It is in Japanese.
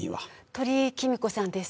鳥居貴美子さんです。